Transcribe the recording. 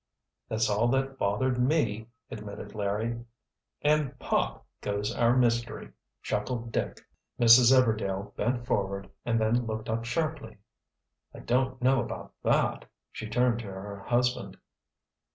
"That's all that bothered me," admitted Larry. "And Pop! goes our mystery," chuckled Dick. Mrs. Everdail bent forward, and then looked up sharply. "I don't know about that?" She turned to her husband.